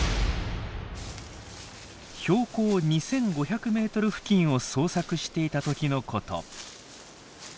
標高２，５００ｍ付近を探索していた時のこと。